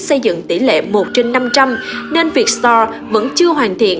xây dựng tỷ lệ một trên năm trăm linh nên vietstor vẫn chưa hoàn thiện